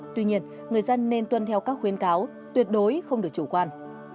tuy nhiên người dân nên tuân theo các khuyến cáo tuyệt đối không được chủ quan